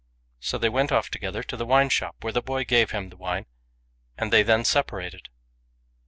So they went off together to the wine shop, where the boy gave him the wine and they then separated.